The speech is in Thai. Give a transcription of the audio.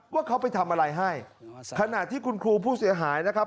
ว่าเขาไปทำอะไรให้ขณะที่คุณครูผู้เสียหายนะครับ